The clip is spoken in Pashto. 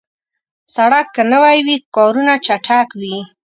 سړک که نوي وي، کارونه چټک وي.